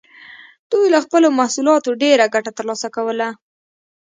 دوی له خپلو محصولاتو ډېره ګټه ترلاسه کوله.